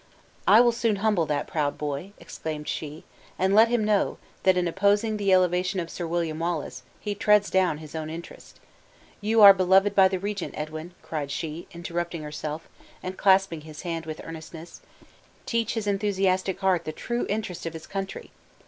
"I will soon humble that proud boy," exclaimed she; "and let him know, that in opposing the elevation of Sir William Wallace, he treads down his own interest. You are beloved by the regent, Edwin!" cried she, interrupting herself, and clasping his hand with earnestness; "teach his enthusiastic heart the true interests of his country!